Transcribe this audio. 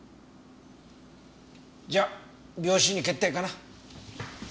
じゃあ病死に決定かな。